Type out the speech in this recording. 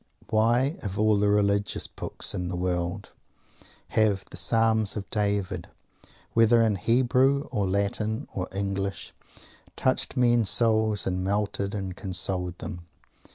Why, of all the religious books in the world, have "the Psalms of David," whether in Hebrew or Latin or English, touched men's souls and melted and consoled them?